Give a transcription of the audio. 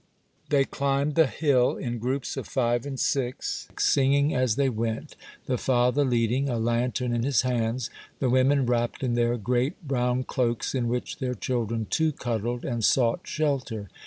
They chmbed the hill in groups of five and six, singing as they went, the father leading, a lantern in his hands, the women wrapped in their great brown cloaks, in which their children too cuddled, and sought shelter.